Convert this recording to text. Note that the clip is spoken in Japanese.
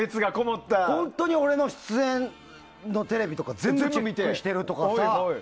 本当に俺の出演のテレビとか全部見て。